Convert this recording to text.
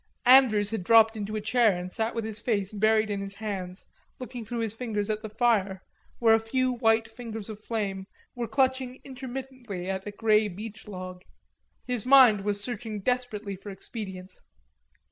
Andrews had dropped into a chair and sat with his face buried in his hands, looking through his fingers at the fire, where a few white fingers of flame were clutching intermittently at a grey beech log. His mind was searching desperately for expedients.